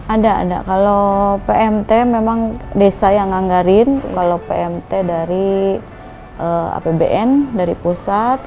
ada ada kalo pmt memang desa yang anggarin kalo pmt dari apbn dari pusat